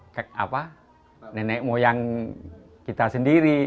iya adalah nenek moyang kita sendiri